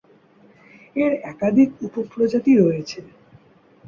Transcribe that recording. এর একাধিক উপপ্রজাতি রয়েছে।